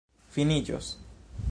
finiĝos